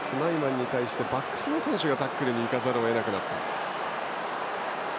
スナイマンに対してバックスの選手がタックルに行かざるを得なかった。